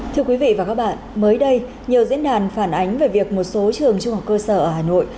thưa quý vị và các bạn mới đây nhiều diễn đàn phản ánh về việc một số trường trung học cơ sở ở hà nội